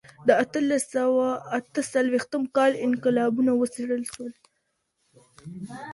د اتلس سوه اته څلوېښتم کال انقلابونه وڅېړل سول.